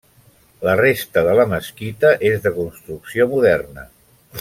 La resta de la mesquita és de construcció moderna.